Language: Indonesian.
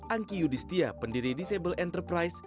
angki yudistia pendiri disable enterprise